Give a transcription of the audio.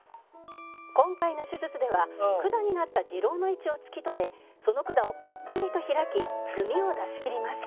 「今回の手術では管になった痔瘻の位置を突き止めその管をパックリと開き膿を出しきります」